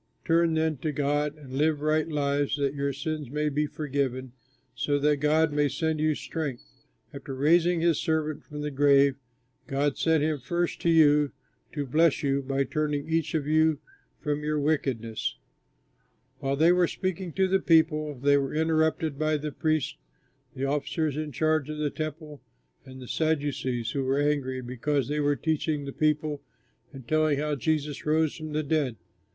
Turn then to God and live right lives that your sins may be forgiven, so that God may send you strength. After raising his Servant from the grave, God sent him first to you to bless you by turning each of you from your wickedness." While they were speaking to the people, they were interrupted by the priests, the officer in charge of the Temple, and the Sadducees, who were angry because they were teaching the people and telling how Jesus rose from the dead.